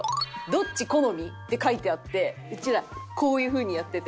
「どっち好み？」って書いてあって「うちら」こういう風にやってて。